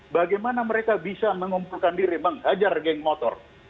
bagaimana mereka bisa mengumpulkan diri menghajar geng motor